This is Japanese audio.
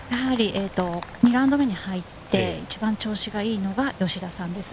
２ラウンド目に入って、一番調子がいいのが吉田さんです。